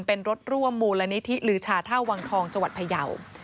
เป็นรถร่วมมูลนิธิลือชาท่าวังทองจังหวัดพยาว